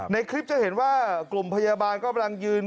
ในคลิปจะเห็นว่ากลุ่มพยาบาลกำลังยืน